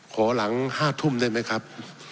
ขอหลัง๕ทุ่มได้ไหมครับ